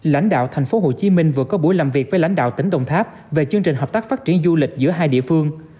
lãnh đạo thành phố hồ chí minh vừa có buổi làm việc với lãnh đạo tỉnh đồng tháp về chương trình hợp tác phát triển du lịch giữa hai địa phương